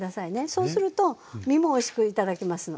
そうすると身もおいしく頂けますので。